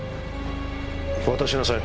渡しなさい。